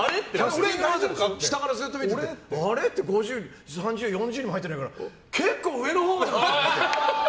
下からずっと見て行って３０位にも入ってないから結構上のほうだと思って。